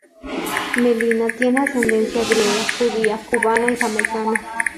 Melina tiene ascendencia griega, judía, cubana y jamaicana.